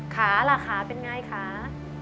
ล่ะขาเป็นไงขา